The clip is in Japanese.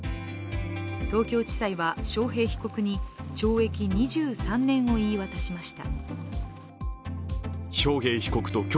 東京地裁は章平被告に懲役２３年を言い渡しました。